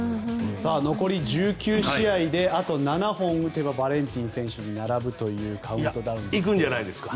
残り１９試合であと７本打てばバレンティン選手に並ぶというカウントダウンですが。